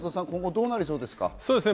今後どうなりそうですか？